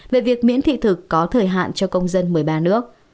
về việc miễn thị thực có thời hạn cho công dân một mươi ba nước